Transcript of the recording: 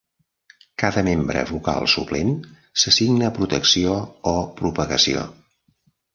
Cada membre vocal suplent s'assigna a protecció o propagació.